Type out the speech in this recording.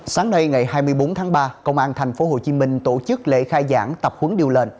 sáng nay ngày hai mươi bốn tháng ba công an tp hcm tổ chức lễ khai giảng tập huấn điều lệnh